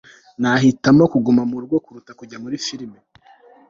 nahitamo kuguma murugo kuruta kujya muri firime